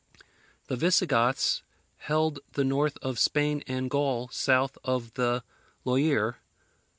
The Visigoths held the north of Spain and Gaul south of the Loire.